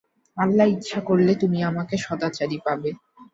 আল্লাহ ইচ্ছা করলে তুমি আমাকে সদাচারী পাবে।